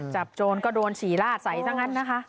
จับโจรก็โดนศรีราชใส่ซะงั้นนะคะ